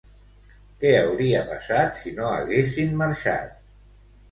Què hauria passat, si no haguessin marxat?